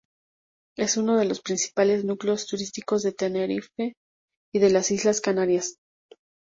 Es uno de los principales núcleos turísticos de Tenerife y de las Islas Canarias.